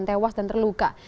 tewas dan terluka